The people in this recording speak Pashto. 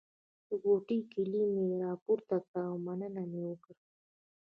د کوټې کیلي مې راپورته کړه او مننه مې وکړه.